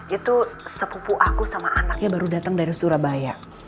itu sepupu aku sama anaknya baru datang dari surabaya